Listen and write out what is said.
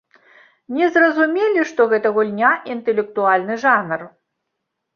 Не зразумелі, што гэта гульня, інтэлектуальны жанр.